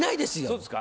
そうですか？